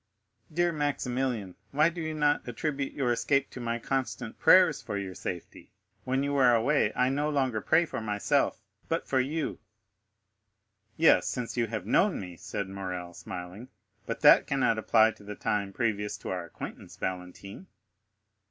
"Dear Maximilian, why not attribute your escape to my constant prayers for your safety? When you are away, I no longer pray for myself, but for you." 30159m "Yes, since you have known me," said Morrel, smiling; "but that cannot apply to the time previous to our acquaintance, Valentine."